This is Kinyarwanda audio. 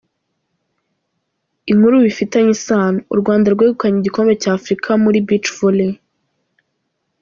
Inkuru bifitanye isano: U Rwanda rwegukanye igikombe cya Afurika muri Beach Volley.